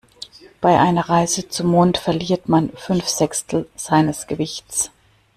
Bei einer Reise zum Mond verliert man fünf Sechstel seines Gewichts.